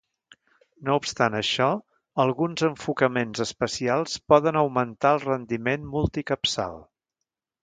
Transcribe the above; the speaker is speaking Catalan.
No obstant això, alguns enfocaments especials poden augmentar el rendiment multicapçal.